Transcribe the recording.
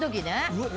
うわっ！